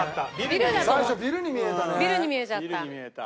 ビルに見えちゃった。